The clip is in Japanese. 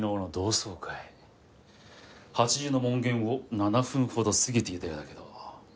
８時の門限を７分ほど過ぎていたようだけど。